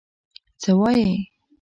څه وايي.